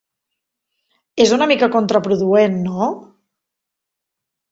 És una mica contraproduent, no?